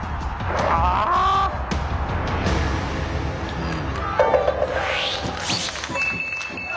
うん。